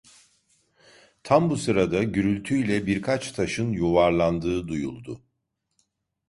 Tam bu sırada gürültüyle birkaç taşın yuvarlandığı duyuldu.